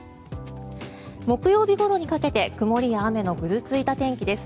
木曜日ごろにかけて曇りや雨のぐずついた天気です。